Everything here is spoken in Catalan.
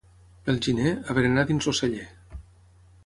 Pel gener, a berenar dins el celler.